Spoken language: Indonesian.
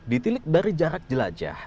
ditilik dari jarak jelajah